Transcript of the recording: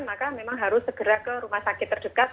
maka memang harus segera ke rumah sakit terdekat